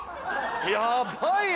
やばいや！